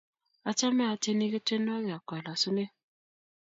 Achame atyeni tyenwogik ap kalosunet